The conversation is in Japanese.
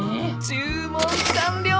注文完了！